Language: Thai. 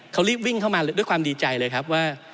ก็ติ้งเข้ามาด้วยความดีใจเลยครับว่า